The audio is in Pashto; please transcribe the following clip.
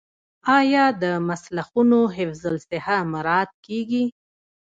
آیا د مسلخونو حفظ الصحه مراعات کیږي؟